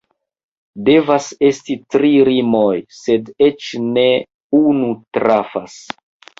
Devas esti tri rimoj, sed eĉ ne unu trafas.